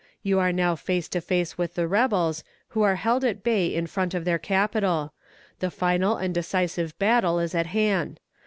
You are now face to face with the rebels, who are held at bay in front of their capital. The final and decisive battle is at hand.